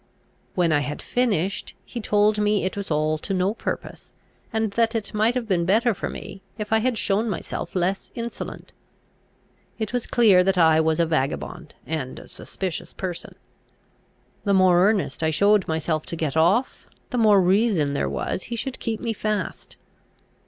When I had finished, he told me it was all to no purpose, and that it might have been better for me, if I had shown myself less insolent. It was clear that I was a vagabond and a suspicious person. The more earnest I showed myself to get off, the more reason there was he should keep me fast.